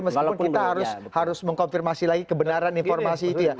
meskipun kita harus mengkonfirmasi lagi kebenaran informasi itu ya